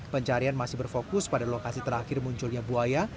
pencarian masih berfokus pada lokasi terakhir munculnya buaya